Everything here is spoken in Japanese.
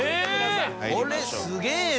これすげぇな。